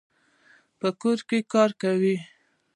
په کور کي کار کوي.